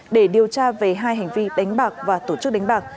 để điều tra về hai hành vi đánh bạc và tổ chức đánh bạc